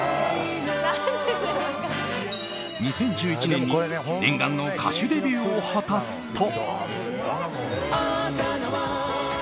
２０１１年に念願の歌手デビューを果たすと。